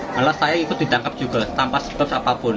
malah saya ikut ditangkap juga tanpa sebab apapun